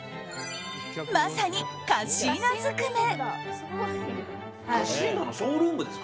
まさに、カッシーナ尽くめ。